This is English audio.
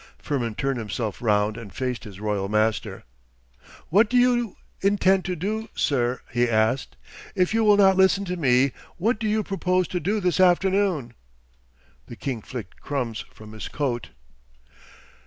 Firmin turned himself round and faced his royal master. 'What do you intend to do, sir?' he asked. 'If you will not listen to me, what do you propose to do this afternoon?' The king flicked crumbs from his coat.